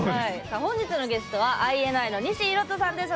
本日のゲストはＩＮＩの西洸人さんです。